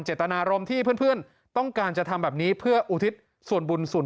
เจตนารมณ์ที่เพื่อนต้องการจะทำแบบนี้เพื่ออุทิศส่วนบุญส่วน